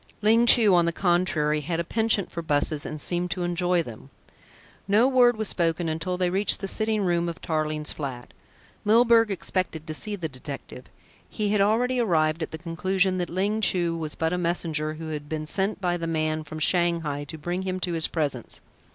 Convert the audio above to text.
Ling Chu on the contrary had a penchant for buses and seemed to enjoy them. No word was spoken until they reached the sitting room of Tarling's flat. Milburgh expected to see the detective. He had already arrived at the conclusion that Ling Chu was but a messenger who had been sent by the man from Shanghai to bring him to his presence.